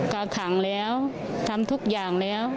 ก็ขังแล้วทำทุกอย่างแล้ว